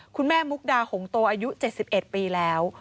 มุกดาหงโตอายุ๗๑ปีแล้ว